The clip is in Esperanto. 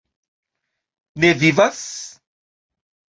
Ne Vivas?